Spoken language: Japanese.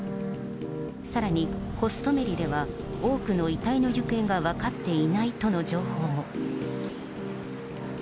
さらにホストメリでは、多くの遺体の行方が分かっていないとの情報も。